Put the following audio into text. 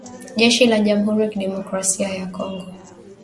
Jeshi la jamhuri ya kidemokrasia ya Kongo